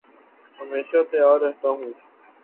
ہمیشہ تیار رہتا ہوں